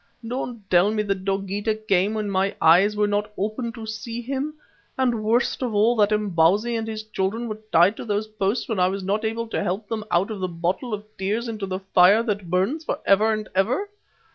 Don't tell me that Dogeetah came when my eyes were not open to see him, and worst of all, that Imbozwi and his children were tied to those poles when I was not able to help them out of the bottle of tears into the fire that burns for ever and ever.